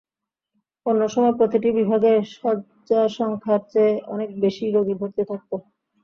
অন্য সময় প্রতিটি বিভাগে শয্যাসংখ্যার চেয়ে অনেক বেশি রোগী ভর্তি থাকত।